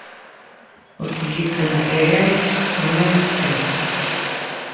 Utilizo materiais do meu tempo.